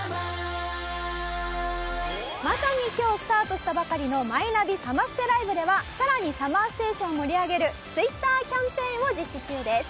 まさに今日スタートしたばかりの「マイナビサマステライブ」では更に「ＳＵＭＭＥＲＳＴＡＴＩＯＮ」を盛り上げるツイッターキャンペーンを実施中です。